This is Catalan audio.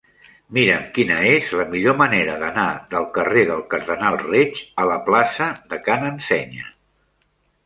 Mira'm quina és la millor manera d'anar del carrer del Cardenal Reig a la plaça de Ca n'Ensenya.